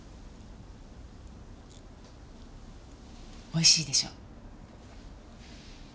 美味しいでしょ？